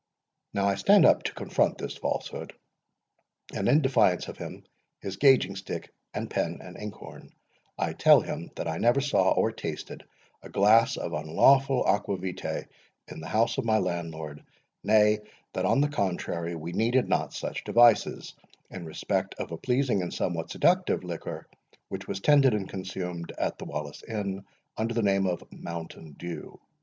Now, I stand up to confront this falsehood; and in defiance of him, his gauging stick, and pen and inkhorn, I tell him, that I never saw, or tasted, a glass of unlawful aqua vitae in the house of my Landlord; nay, that, on the contrary, we needed not such devices, in respect of a pleasing and somewhat seductive liquor, which was vended and consumed at the Wallace Inn, under the name of MOUNTAIN DEW.